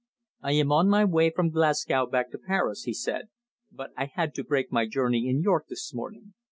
"I am on my way from Glasgow back to Paris," he said. "But I had to break my journey in York this morning.